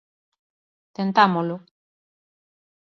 Tentámolo.